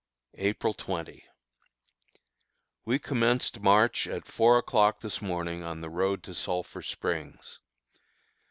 April 20. We commenced march at four o'clock this morning on the road to Sulphur Springs.